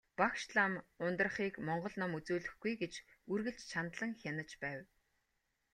Багш лам Ундрахыг монгол ном үзүүлэхгүй гэж үргэлж чандлан хянаж байв.